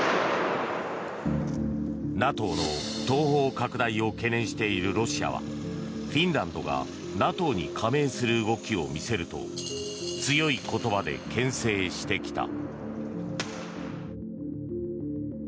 ＮＡＴＯの東方拡大を懸念しているロシアはフィンランドがＮＡＴＯに加盟する動きを見せると強い言葉でけん制してきた。